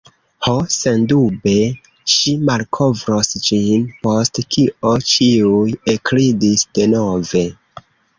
Ho, sendube ŝi malkovros ĝin. Post kio ĉiuj ekridis denove.